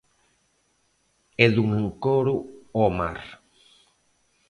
E dun encoro ao mar.